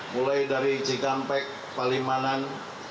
mulai dari cikampek palimanan